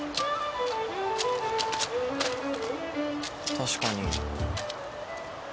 確かに。